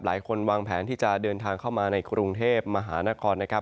หลายคนวางแผนที่จะเดินทางเข้ามาในกรุงเทพมหานครนะครับ